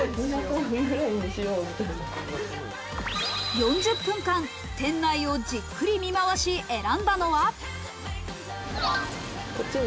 ４０分間、店内をじっくり見まわし選んだのは。